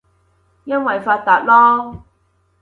因爲發達囉